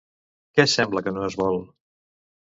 Què sembla que no es vol?